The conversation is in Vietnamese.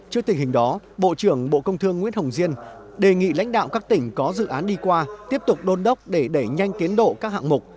trước tình hình đó bộ trưởng bộ công thương nguyễn hồng diên đề nghị lãnh đạo các tỉnh có dự án đi qua tiếp tục đôn đốc để đẩy nhanh tiến độ các hạng mục